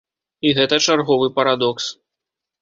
І гэта чарговы парадокс.